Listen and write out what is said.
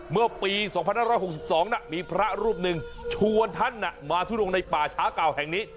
เมื่อปี๒๕๖๒มีพระรูปหนึ่งชวนท่านมาทุดงในป่าช้าเก่าแห่งนี้